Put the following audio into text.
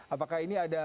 apakah ini ada